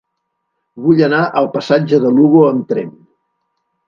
Vull anar al passatge de Lugo amb tren.